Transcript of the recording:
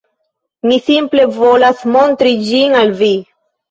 Mi simple volas montri ĝin al vi